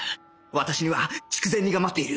私には筑前煮が待っている